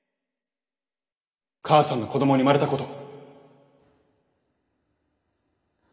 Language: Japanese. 母さんの子供に生まれたこと。